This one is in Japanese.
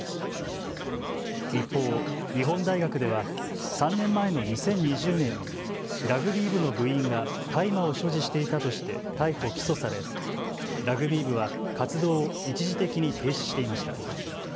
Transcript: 一方、日本大学では３年前の２０２０年にラグビー部の部員が大麻を所持していたとして逮捕・起訴されラグビー部は活動を一時的に停止していました。